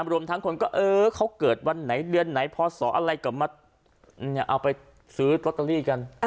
รวมทั้งคนก็เออเขาเกิดวันไหนเดือนไหนพศอะไรก็มาเอาไปซื้อลอตเตอรี่กัน